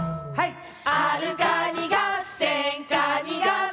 はい！